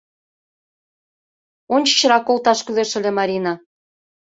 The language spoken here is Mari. Ончычрак колташ кӱлеш ыле, Марина.